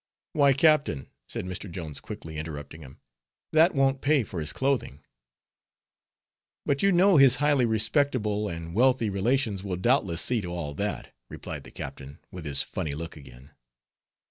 "Why, captain," said Mr. Jones, quickly interrupting him, "that won't pay for his clothing." "But you know his highly respectable and wealthy relations will doubtless see to all that," replied the captain, with his funny look again.